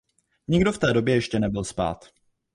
Nikdo v té době ještě nebyl spát.